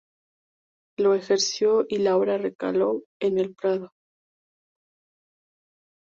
Lo ejerció y la obra recaló en el Prado.